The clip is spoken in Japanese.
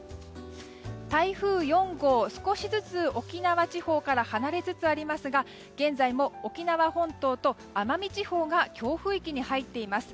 台風４号、少しずつ沖縄地方から離れつつありますが現在も沖縄本島と奄美地方が強風域に入っています。